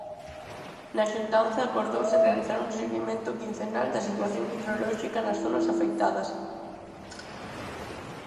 Na xuntanza acordouse realizar un seguimento quincenal da situación hidrolóxica nas zonas afectadas.